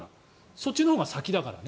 そっちのほうが先だからね。